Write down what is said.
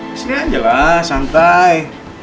disini aja lah santai